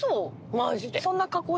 マジで。